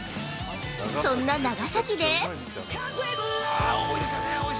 そんな長崎で◆